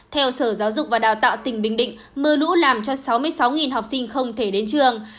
theo sở giáo dục và đào tạo tỉnh bình định mưa lũ làm cho sáu mươi sáu học sinh không thể đến trường